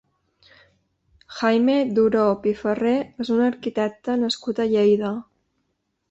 Jaime Duró Pifarré és un arquitecte nascut a Lleida.